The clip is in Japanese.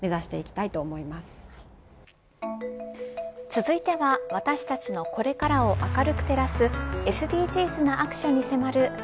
続いては私たちのこれからを明るく照らすＳＤＧｓなアクションに迫る＃